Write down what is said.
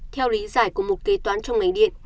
theo lý giải của một kế toán trong ngành điện